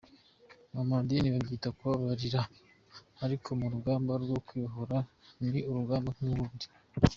Mu madini babyita kubabarira ariko mu rugamba rwo kwibohoza ni urugamba nk’ urundi.”